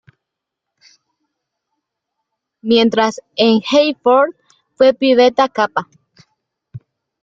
Mientras en Haverford, fue Phi Beta Kappa.